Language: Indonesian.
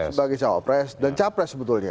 sebagai cawapres dan capres sebetulnya